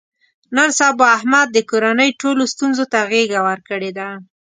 نن سبا احمد د کورنۍ ټولو ستونزو ته غېږه ورکړې ده.